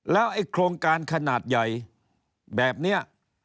แล้วไอ้โครงการขนาดใหญ่แบบนี้